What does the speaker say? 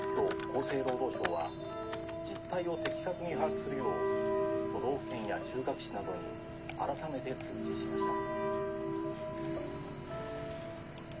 厚生労働省は実態を的確に把握するよう都道府県や中核市などに改めて通知しました」。